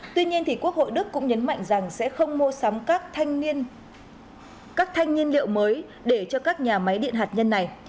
tuy nhiên thì quốc hội đức cũng nhấn mạnh rằng sẽ không mua sắm các thanh niên liệu mới để cho các nhà máy điện hạt nhân này